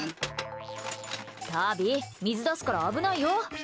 タビ、水出すから危ないよ。